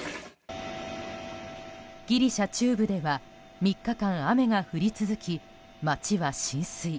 ギリシャ中部では３日間、雨が降り続き街は浸水。